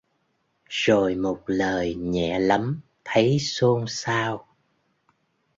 Rồi một lời nhẹ lắm thấy xôn xao